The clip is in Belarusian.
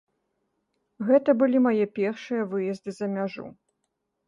Гэта былі мае першыя выезды за мяжу.